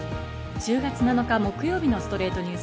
１０月７日、木曜日の『ストレイトニュース』。